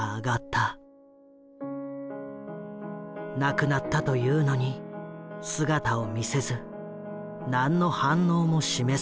亡くなったというのに姿を見せず何の反応も示さない。